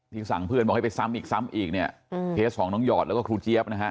สั่งเพื่อนบอกให้ไปซ้ำอีกซ้ำอีกเนี่ยเคสของน้องหยอดแล้วก็ครูเจี๊ยบนะฮะ